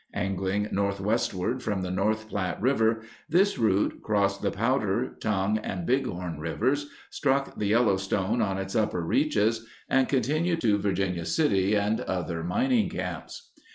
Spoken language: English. Angling northwestward from the North Platte River, this route crossed the Powder, Tongue, and Bighorn Rivers, struck the Yellowstone on its upper reaches, and continued to Virginia City and other mining camps.